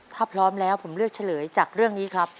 ถ้าพร้อมแล้วผมเลือกเฉลยจากเรื่องนี้ครับ